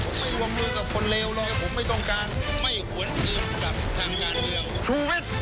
ผมไม่วงมือกับคนเลวหรอกผมไม่ต้องการ